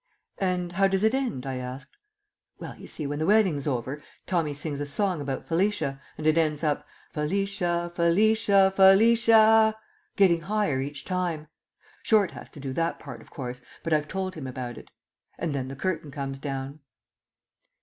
"And how does it end?" I asked. "Well, you see, when the wedding's over, Tommy sings a song about Felicia, and it ends up, 'Felicia, Felicia, Felicia,' getting higher each time Short has to do that part, of course, but I've told him about it and then the curtain comes down."